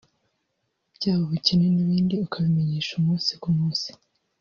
byaba ubukene n’ibindi akabimenyesha umunsi ku munsi